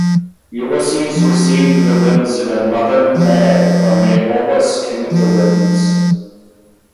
Ulysses received the winds in a leathern bag from Aeolus, King of the Winds.